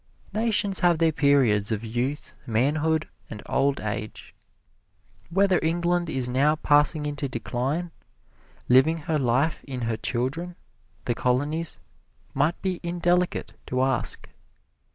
Nations have their periods of youth, manhood and old age. Whether England is now passing into decline, living her life in her children, the Colonies, might be indelicate to ask.